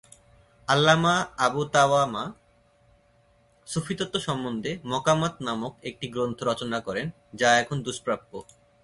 আল্লামা আবুতাওয়ামা সুফিতত্ত্ব সম্বদ্ধে মকামাত নামক একটি গ্রন্থ রচনা করেন, যা এখন দুষ্প্রাপ্য।